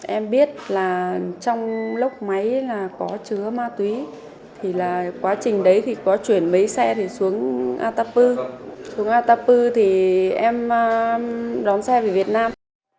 em biết là trong lúc máy là có chứa ma túy thì là quá trình đấy thì có chuyển mấy xe thì xuống atapu xuống atapu thì em đón xe về việt nam